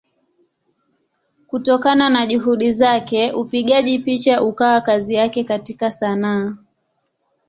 Kutokana na Juhudi zake upigaji picha ukawa kazi yake katika Sanaa.